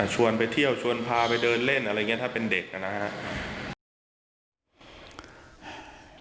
ชวนไปเที่ยวชวนพาไปเดินเล่นอะไรอย่างนี้ถ้าเป็นเด็กนะครับ